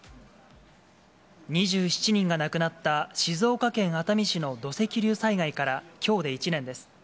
２７人が亡くなった静岡県熱海市の土石流災害から、きょうで１年です。